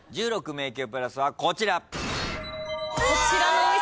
１６迷宮プラスはこちら。